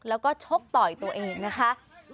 แล้วก็ชกต่อยตัวเองนะคะ